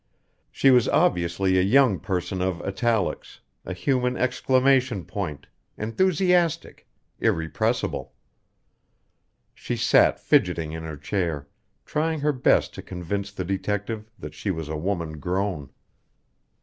She was obviously a young person of italics, a human exclamation point, enthusiastic, irrepressible. She sat fidgeting in her chair, trying her best to convince the detective that she was a woman grown.